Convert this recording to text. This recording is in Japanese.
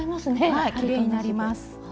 はいきれいになります。